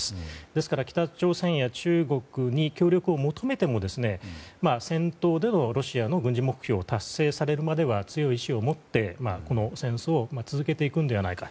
ですから北朝鮮や中国に協力を求めても戦闘でのロシアの軍事目標が達成されるまで強い意思を持って、この戦争を続けていくのではないか。